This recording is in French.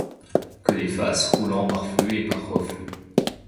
Que des faces roulant par flux et par reflux